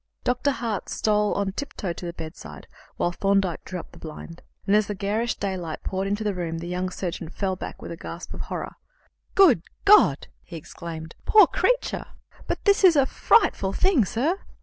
Dr. Hart stole on tiptoe to the bedside, while Thorndyke drew up the blind; and as the garish daylight poured into the room, the young surgeon fell back with a gasp of horror. "Good God!" he exclaimed; "poor creature! But this is a frightful thing, sir!"